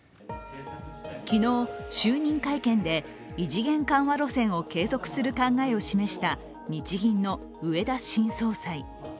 昨日、就任会見で異次元緩和路線を継続する考えを示した日銀の植田新総裁。